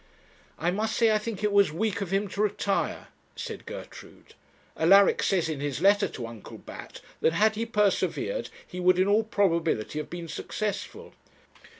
'I must say I think it was weak of him to retire,' said Gertrude. 'Alaric says in his letter to Uncle Bat, that had he persevered he would in all probability have been successful.'